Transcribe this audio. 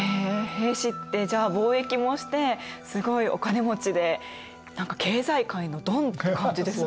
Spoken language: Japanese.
平氏ってじゃあ貿易もしてすごいお金持ちで何か経済界のドンって感じですね。